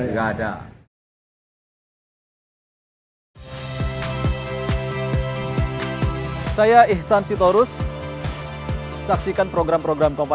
tapi pelaksanaannya sama ya pak ya